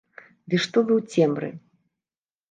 Ды што вы ў цемры?